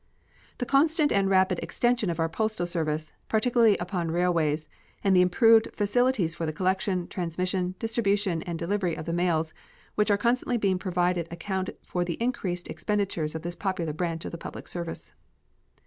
The constant and rapid extension of our postal service, particularly upon railways, and the improved facilities for the collection, transmission, distribution, and delivery of the mails which are constantly being provided account for the increased expenditures of this popular branch of the public service.